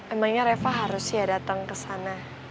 emangnya rafa harus ya dateng kesana